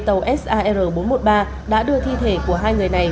tàu sar bốn trăm một mươi ba đã đưa thi thể của hai người này